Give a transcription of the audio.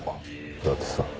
だってさ。